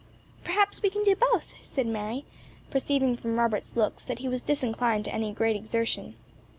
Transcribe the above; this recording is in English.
"Perhaps we can do both," said Mary, perceiving from Robert's looks that he was disinclined to any great exertion.